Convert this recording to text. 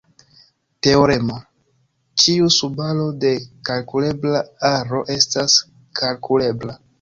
Teoremo: Ĉiu subaro de kalkulebla aro estas kalkulebla.